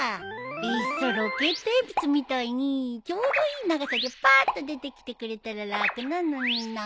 いっそロケット鉛筆みたいにちょうどいい長さでぱっと出てきてくれたら楽なのにな。